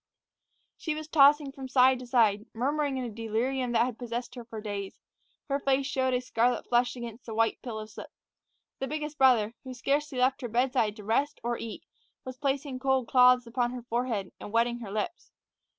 She was tossing from side to side, murmuring in a delirium that had possessed her for days. Her face showed a scarlet flush against the white pillow slip. The biggest brother, who scarcely left her bedside to rest or eat, was placing cold cloths upon her forehead and wetting her lips.